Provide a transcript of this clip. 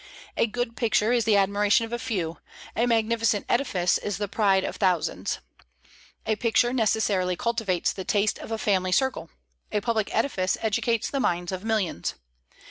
A good picture is the admiration of a few; a magnificent edifice is the pride of thousands. A picture necessarily cultivates the taste of a family circle; a public edifice educates the minds of millions.